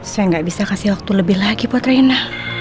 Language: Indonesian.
saya gak bisa kasih waktu lebih lagi buat reina